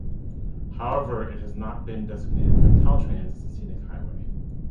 However, it has not been designated by Caltrans as a scenic highway.